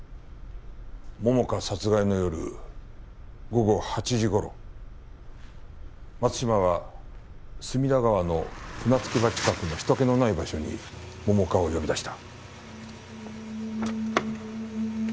桃花殺害の夜午後８時頃松島は隅田川の船着場近くの人気のない場所に桃花を呼び出した。